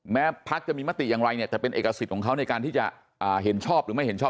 พักจะมีมติอย่างไรเนี่ยจะเป็นเอกสิทธิ์ของเขาในการที่จะเห็นชอบหรือไม่เห็นชอบ